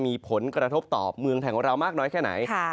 มีผลกระทบตอบเมืองแท่งเรามากน้อยแค่ไหนพายุฤดูร้อน